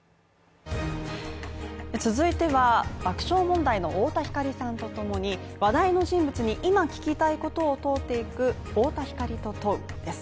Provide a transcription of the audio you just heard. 続いては爆笑問題の太田光さんとともに話題の人物に今聞きたいことを問うていく「太田光と問う！」です。